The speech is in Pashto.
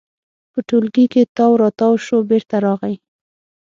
په ټولګي کې تاو راتاو شو، بېرته راغی.